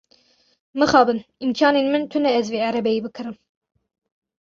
Mixabin, îmkanên min tune ez vê erebeyê bikirim.